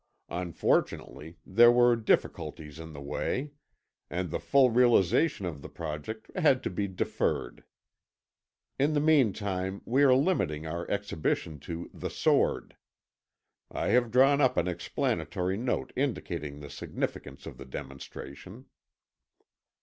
Unfortunately there were difficulties in the way, and the full realisation of the project had to be deferred. In the meantime we are limiting our exhibition to 'The Sword.' I have drawn up an explanatory note indicating the significance of the demonstration."